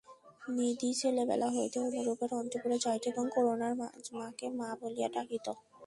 নিধি ছেলেবেলা হইতেই অনুপের অন্তঃপুরে যাইত ও করুণার মাকে মা বলিয়া ডাকিত।